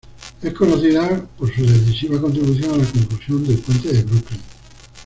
Es conocida por su decisiva contribución a la conclusión del Puente de Brooklyn.